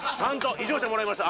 「異常者」もらいました。